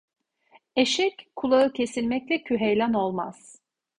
Eşek, kulağı kesilmekle küheylan olmaz.